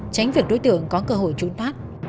tránh việc đối tượng có cơ hội trụng thoát